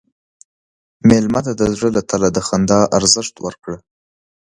مېلمه ته د زړه له تله د خندا ارزښت ورکړه.